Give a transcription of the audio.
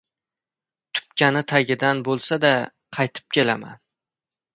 Tupkani tagidan bo‘lsa-da, qaytib kelaman!